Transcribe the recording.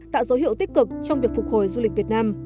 tạo dấu hiệu tích cực trong việc phục hồi du lịch việt nam